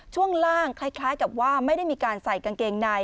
ช่วงล่างคล้ายกับว่าไม่ได้มีการใส่กางเกงใน